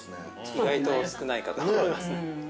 ◆意外と少ないかと思いますね。